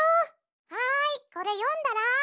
はいこれよんだら！